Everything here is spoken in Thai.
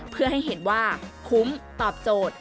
เพื่อให้เห็นว่าคุ้มตอบโจทย์